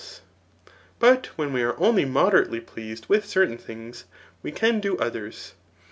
^e ; but when we are only moderately pl&is^ ed with certain things, we can do others.